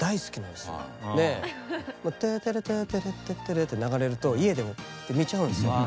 でテーテレテーテレテッテレって流れると家でもって見ちゃうんですよ。